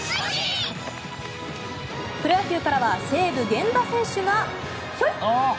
プロ野球からは西武、源田選手がヒョイ。